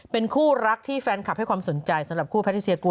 เป็นคู่รักที่แฟนคลับให้ความสนใจสำหรับคู่แพทิเซียกู